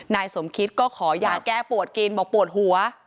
นายสมคิตก็ขอยาแก้ปวดกินบอกปวดหัว